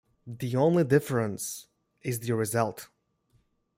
The only difference is the result.